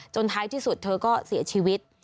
ท้ายที่สุดเธอก็เสียชีวิต